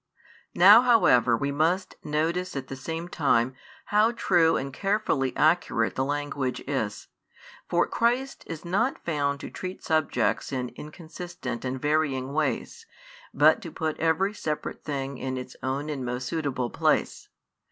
Now however we must notice at the same time how true and carefully accurate the language is, for Christ is not found to treat subjects in inconsistent and varying ways, but to put every separate thing in its own and most suitable place.